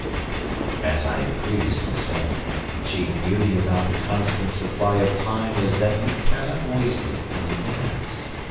As I have previously said, the chief beauty about the constant supply of time is that you cannot waste it in advance.